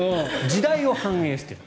時代を反映している。